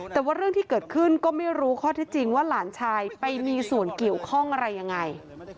แต่ว่าเรื่องที่เกิดขึ้นก็ไม่รู้ข้อที่จริงว่าหลานชายไปมีส่วนเกี่ยวข้องอะไรยังไง